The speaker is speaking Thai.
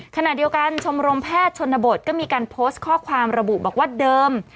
ขณะเดียวกันชมรมแพทย์ชนบทก็มีการโพสต์ข้อความระบุบอกว่าเดิม